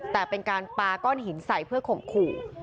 แต่เป็นการปาก้อนหินใส่เพื่อข่มขู่